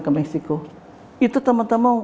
ke meksiko itu teman teman